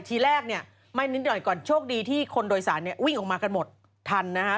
ทีแรกเนี่ยไหม้นิดหน่อยก่อนโชคดีที่คนโดยสารเนี่ยวิ่งออกมากันหมดทันนะฮะ